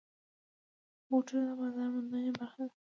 بوټونه د بازار موندنې برخه ده.